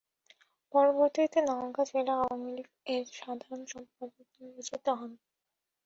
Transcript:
পরবর্তিতে নওগাঁ জেলা আওয়ামী লীগ এর সাধারণ সম্পাদক নির্বাচিত হন।